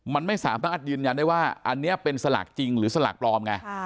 มันไม่สามารถอาจยืนยันได้ว่าอันนี้เป็นสลากจริงหรือสลากปลอมไง